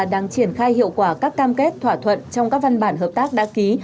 đang triển khai hiệu quả các cam kết thỏa thuận trong các văn bản hợp tác đã ký